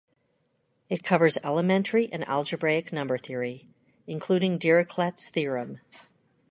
It covers elementary and algebraic number theory, including Dirichlet's theorem.